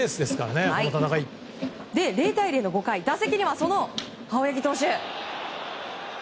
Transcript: ０対０の５回打席には、その青柳投手。